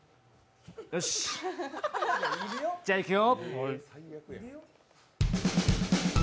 よし、じゃ、いくよ。